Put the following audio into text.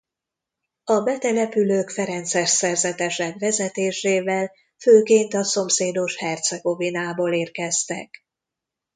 A betelepülők ferences szerzetesek vezetésével főként a szomszédos Hercegovinából érkeztek.